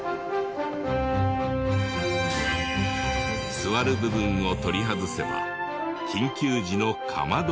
座る部分を取り外せば緊急時のかまどに。